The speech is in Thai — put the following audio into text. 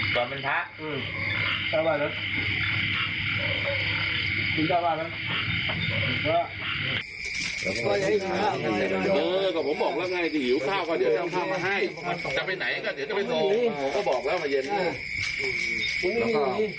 ได้การสารมาตรฟายถึงแล้ว